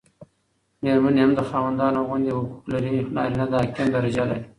ميرمني هم د خاوندانو غوندي حقوق لري، نارينه د حاکم درجه لري